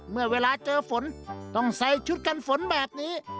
เมื่อเวลาเจอฝนต้องใส่ชุดกันฝนแบบนี้